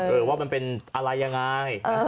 เออว่ามันเป็นอะไรยังไง